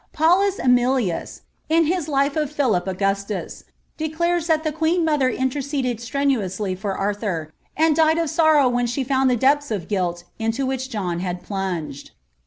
Paulus Emilias, in his lift of Philip Augustus, declares that the queen mother interceded etrennntwly for Arthur, and (lied of sorrow when she found the depths of guilt iaia which John had plunged.